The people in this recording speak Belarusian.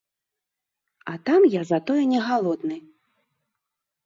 А там я затое не галодны.